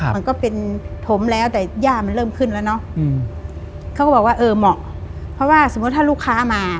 มันก็เป็นถมแล้วแต่ย่ามันเริ่มขึ้นแล้วเนาะ